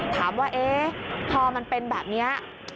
ถามว่าเอ๊ะพอมันเป็นแบบนี้